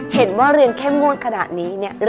เห็นว่าเรียนเข้มงวดขนาดนี้เนี่ย